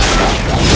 aku pergi dulu ibu nda